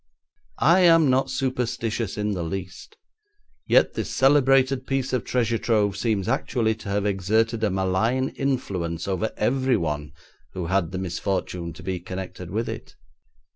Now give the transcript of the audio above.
I am not superstitious in the least, yet this celebrated piece of treasure trove seems actually to have exerted a malign influence over everyone who had the misfortune to be connected with it.